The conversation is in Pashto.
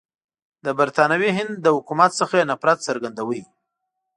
د برټانوي هند له حکومت څخه یې نفرت څرګندوه.